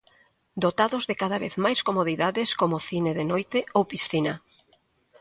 Dotados de cada vez máis comodidades como cine de noite ou piscina.